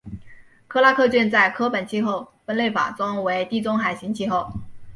克拉克郡在柯本气候分类法中为地中海型气候。